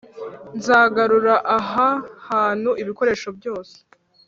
nzagarura aha hantu ibikoresho byose.